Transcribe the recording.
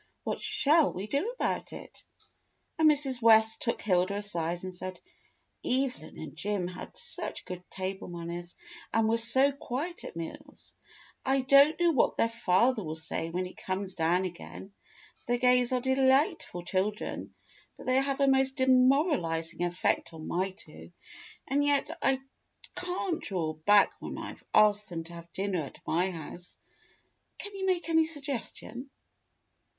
What shall we do about it?" And Mrs. West took Hilda aside and said : "Evelyn and Jim had such good table manners and were so quiet at meals. I don't know what their father will say when he comes down again. The Gays are de lightful children, but they have a most demoralizing effect on my two. And yet I can't draw back when I've asked them to have dinner at my house. Can you make any suggestion.